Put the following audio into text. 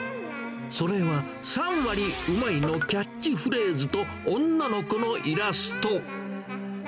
それは、３割うまい！のキャッチフレーズと女の子のイラスト。